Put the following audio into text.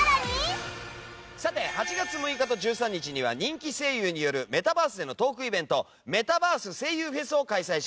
さて８月６日と１３日には人気声優によるメタバースでのトークイベントメタバース声優フェスを開催します！